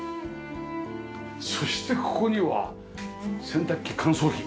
そしてここには洗濯機乾燥機。